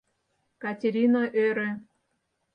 — Катерина ӧрӧ.